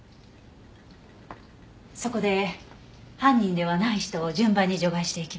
そこで犯人ではない人を順番に除外していきます。